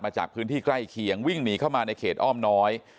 จากพื้นที่ใกล้เคียงวิ่งหนีเข้ามาในเขตอ้อมน้อย